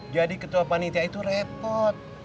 jadi ketua panita itu repot